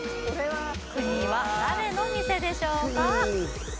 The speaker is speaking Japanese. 「ＫＵＮＹ」は誰の店でしょうか？